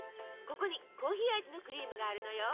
ここにコーヒー味のクリームがあるのよ。